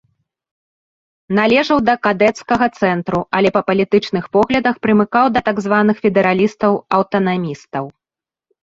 Належаў да кадэцкага цэнтру, але па палітычных поглядах прымыкаў да так званых федэралістаў-аўтанамістаў.